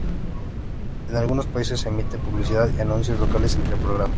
En algunos países, se emite publicidad y anuncios locales entre programas.